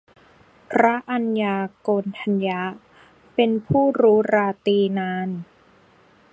พระอัญญาโกณฑัญญะ เป็นผู้รู้ราตรีนาน